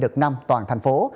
đợt năm toàn thành phố